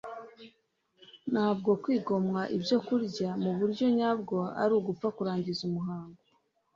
ntabwo kwigomwa ibyokurya mu buryo nyabwo ari ugupfa kurangiza umuhango